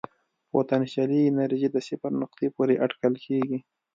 پوتنسیالي انرژي د صفر نقطې پورې اټکل کېږي.